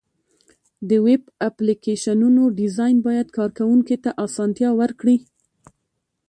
د ویب اپلیکیشنونو ډیزاین باید کارونکي ته اسانتیا ورکړي.